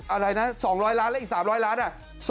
อะไรนะ๒๐๐ล้านแล้วอีก๓๐๐ล้านอ่ะ